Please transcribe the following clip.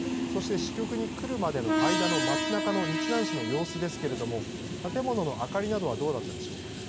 そういうようなことは、大須賀さん、そして支局に来るまでの間の町なかの日南市の様子ですけれども、建物の明かりなどはどうだったでしょうか。